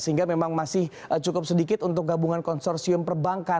sehingga memang masih cukup sedikit untuk gabungan konsorsium perbankan